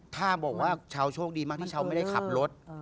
ถ้าบอกว่าชาวโชคดีมากที่ชาวไม่ได้ขับรถ